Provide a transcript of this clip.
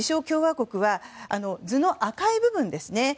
共和国は図の赤い部分ですね。